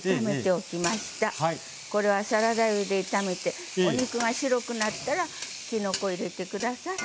これはサラダ油で炒めてお肉が白くなったらきのこ入れて下さい。